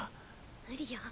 無理よ。